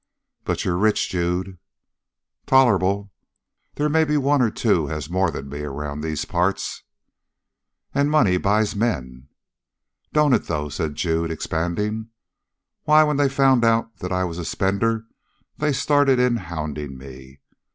"But you're rich, Jude." "Tolerable. They may be one or two has more than me, around these parts." "And money buys men!" "Don't it, though?" said Jude, expanding. "Why, when they found that I was a spender they started in hounding me.